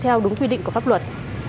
theo đúng quy định của pháp luật